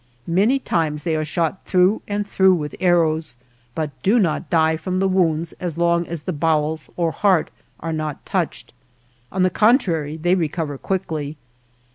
Many times they are shot through and through with arrows, but do not die from the wounds as long as the bowels or heart are not touched; on the contrary, they re cover quickly.